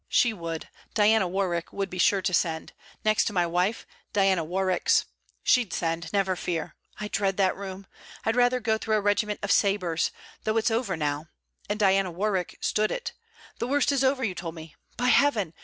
'She would. Diana Warwick would be sure to send. Next to my wife, Diana Warwick's... she'd send, never fear. I dread that room. I'd rather go through a regiment of sabres though it 's over now. And Diana Warwick stood it. The worst is over, you told me. By heaven!